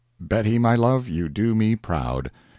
Bettie, my love, you do me proud.